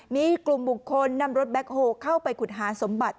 มีกลุ่มบุคคลนำรถแบ็คโฮลเข้าไปขุดหาสมบัติ